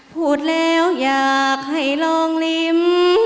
พูดแล้วอยากให้ลองลิ้ม